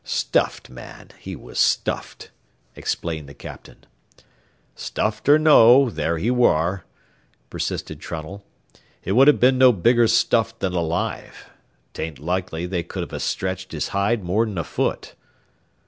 "Stuffed, man, he was stuffed," explained the captain. "Stuffed or no; there he ware," persisted Trunnell. "He would 'a' been no bigger stuffed than alive. 'Tain't likely they could 'a' stretched his hide more'n a foot."